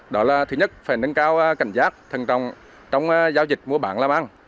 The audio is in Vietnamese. đó là thứ nhất phải nâng cao cảnh giác thân trọng trong giao dịch mua bán làm ăn